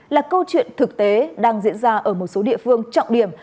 là câu chuyện thực tế đang diễn ra ở một số địa phương trọng điểm